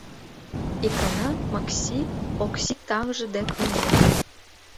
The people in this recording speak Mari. Икана Макси Окси таҥже дек миен.